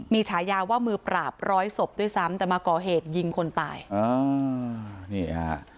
มีฉายาว่ามือปราบร้อยศพด้วยซ้ำแต่มาก่อเหตุยิงคนตายอ่านี่ฮะ